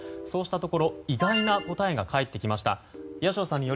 そうしたところ意外な答えが返ってきました。